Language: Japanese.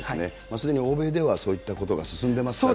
すでに欧米ではそういったことが進んでますから。